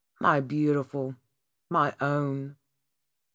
My Beautiful! My Own!"